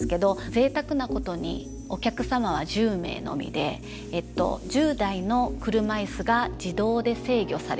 ぜいたくなことにお客様は１０名のみで１０台の車椅子が自動で制御されている。